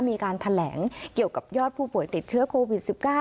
มีการแถลงเกี่ยวกับยอดผู้ป่วยติดเชื้อโควิด๑๙